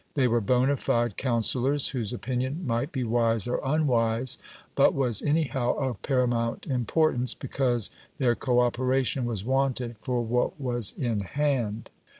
They were bona fide counsellors, whose opinion might be wise or unwise, but was anyhow of paramount importance, because their co operation was wanted for what was in hand.